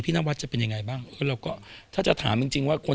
พี่นวัชจะเป็นยังไงบ้างแล้วแหละก็ถ้าจำจริงจริงว่าคน